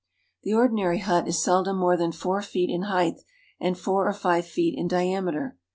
The ordinary hut is seldom more that four feet in height and four or five feet in diameter.